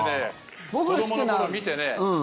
子どもの頃、見てね。